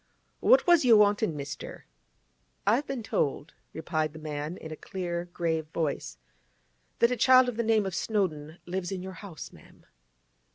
'What was you wantin', mister?' 'I have been told,' replied the man in a clear, grave voice, 'that a child of the name of Snowdon lives in your house, ma'am.